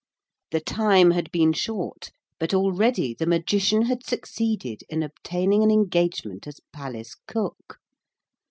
The time had been short, but already the Magician had succeeded in obtaining an engagement as palace cook.